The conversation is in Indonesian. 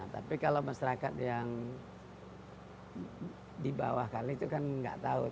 tapi kalau masyarakat yang di bawah kali itu kan nggak tahu